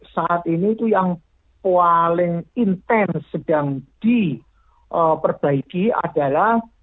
saat ini itu yang paling intens sedang diperbaiki adalah